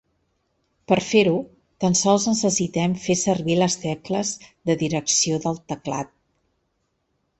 Per fer-ho, tan sols necessitem fer servir les tecles de direcció del teclat.